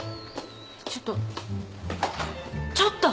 ちょっと。